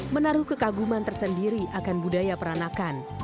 menaruh kekaguman tersendiri akan budaya peranakan